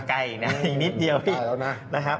ใกล้นะอีกนิดเดียวนี่